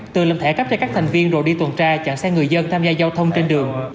từ lâm thẻ cắp cho các thành viên rồi đi tuần tra chặn xe người dân tham gia giao thông trên đường